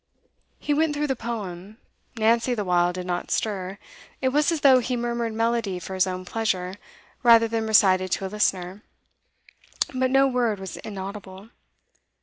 He went through the poem; Nancy the while did not stir. It was as though he murmured melody for his own pleasure, rather than recited to a listener; but no word was inaudible.